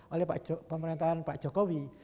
oleh pemerintahan pak jokowi